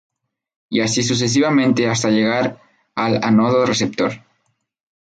Y así sucesivamente hasta llegar al ánodo receptor.